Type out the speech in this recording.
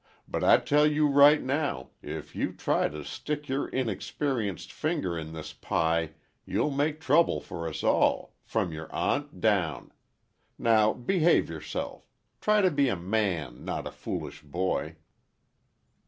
"But I tell you right now, if you try to stick your inexperienced finger in this pie, you'll make trouble for us all—from your aunt down. Now, behave yourself. Try to be a man, not a foolish boy."